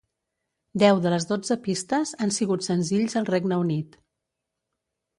Deu de les dotze pistes han sigut senzills al Regne Unit.